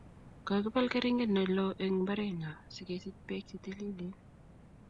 Kokipol keringet ne loo eng' imbarennyo sikesich pek che tililen